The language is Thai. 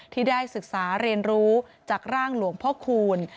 ที่ได้ศึกษาเรียนรู้จากร่างหลวงพ่อคูณ